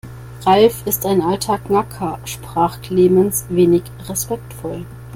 Ralf ist ein alter Knacker, sprach Clemens wenig respektvoll.